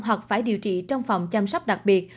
hoặc phải điều trị trong phòng chăm sóc đặc biệt